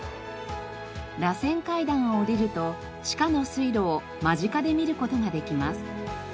らせん階段を下りると地下の水路を間近で見る事ができます。